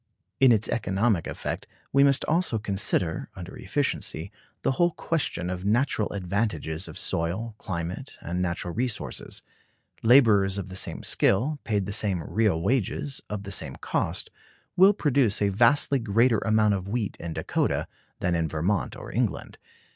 In its economic effect we must also consider, under efficiency, the whole question of natural advantages of soil, climate, and natural resources. Laborers of the same skill, paid the same real wages, of the same cost, will produce a vastly greater amount of wheat in Dakota than in Vermont or England.